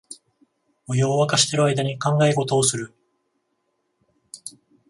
お湯をわかしてる間に考え事をする